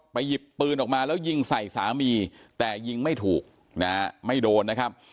หยิบปืนออกมาแล้วยิงใส่สามีแต่ยิงไม่ถูกนะฮะไม่โดนนะครับ